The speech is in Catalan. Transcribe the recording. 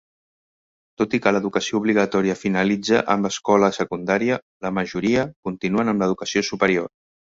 Tot i que l'educació obligatòria finalitza amb l'escola secundària, la majoria continuen amb l'educació superior.